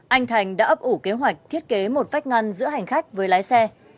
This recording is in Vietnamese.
anh thành đã ấp ủ kế hoạch thiết kế một vách ngăn giữa hành khách với lái xe